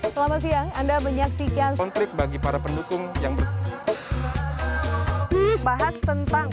selamat siang anda menyaksikan konflik bagi para pendukung yang berbahas tentang